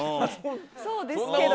そうですけど。